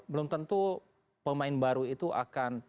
belum tentu pemain baru itu akan